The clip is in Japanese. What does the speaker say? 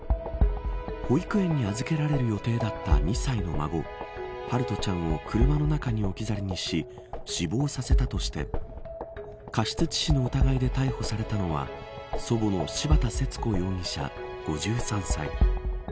保育園に預けられる予定だった２歳の孫、陽翔ちゃんを車の中に置き去りにし死亡させたとして過失致死の疑いで逮捕されたのは祖母の柴田節子容疑者５３歳。